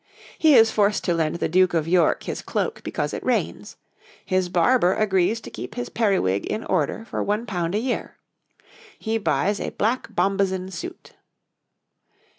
He is forced to lend the Duke of York his cloak because it rains. His barber agrees to keep his periwig in order for £1 a year. He buys a black bombazin suit.